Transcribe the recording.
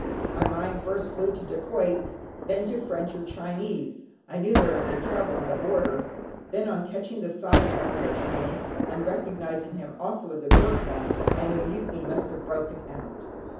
My mind first flew to dacoits, then to French or Chinese (I knew there had been trouble on the border), then, on catching sight of one of the enemy, and recognising him also as a Goorkha, I knew mutiny must have broken out.